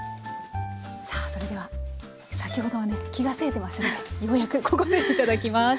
さあそれでは先ほどはね気がせいてましたけどようやくここでいただきます。